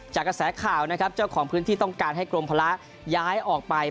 กระแสข่าวนะครับเจ้าของพื้นที่ต้องการให้กรมภาระย้ายออกไป